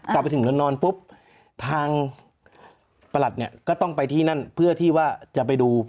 กลับไปถึงเรือนนอนปุ๊บทางประหลัดเนี่ยก็ต้องไปที่นั่นเพื่อที่ว่าจะไปดู